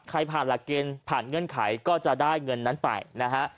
ผ่านหลักเกณฑ์ผ่านเงื่อนไขก็จะได้เงินนั้นไปนะฮะ